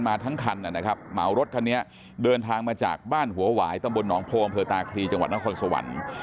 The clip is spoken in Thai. มาทั้งคันนะครับเหมารถคันนี้เดินทางมาจากบ้านหัวหวายตำบลหนองโพอำเภอตาคลีจังหวัดนครสวรรค์